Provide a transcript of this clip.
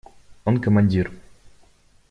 Он командир.